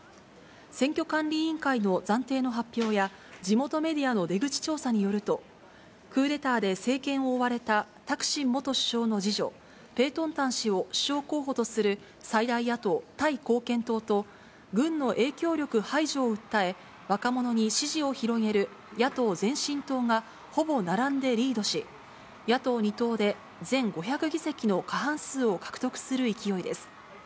選挙管理委員会の暫定の発表や、地元メディアの出口調査によると、クーデターで政権を追われたタクシン元首相の次女、ペートンタン氏を首相候補とする最大野党・タイ貢献党と、軍の影響力排除を訴え、若者に支持を広げる野党・前進党が、ほぼ並んでリードし、野党２党で、全５００議席の過半数を獲得する勢いです。